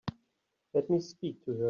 Let me speak to her.